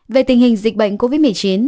về tình hình dịch bệnh covid một mươi chín